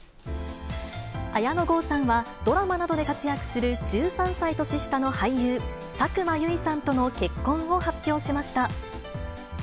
綾野剛さんは、ドラマなどで活躍する、１３歳年下の俳優、佐久間由衣さんとの結婚を発表しました。